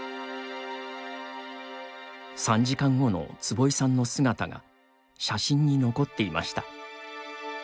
３時間後の坪井さんの姿が写真に残っていました。